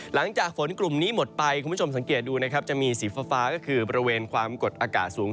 หลังจากฝนกลุ่มนี้หมดไปคุณผู้ชมสังเกตดูนะครับจะมีสีฟ้าก็คือบริเวณความกดอากาศสูง